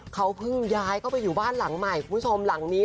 เค้าพึ่งย้ายเข้าไปอยู่บ้านหลังใหม่